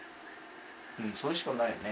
それしかないよね。